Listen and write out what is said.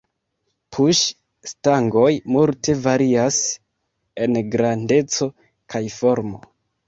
Puŝ-stangoj multe varias en grandeco kaj formo.